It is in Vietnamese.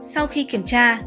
sau khi kiểm tra